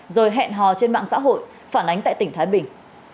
rồi hẹn hò trên mạng xã hội phản ánh tại tỉnh thái bình